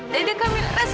dede kamila rasanya sakit